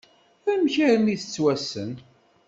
Amek armi tettwassen?